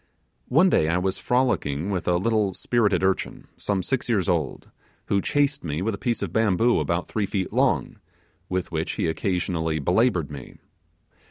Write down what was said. One day I was frolicking with a little spirited urchin, some six years old, who chased me with a piece of bamboo about three feet long, with which he occasionally belaboured me.